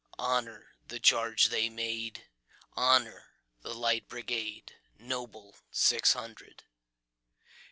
Honor the charge they made! Honor the Light Brigade, Noble six hundred!